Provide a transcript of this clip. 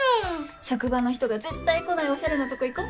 職場の人が絶対来ないおしゃれなとこ行こう。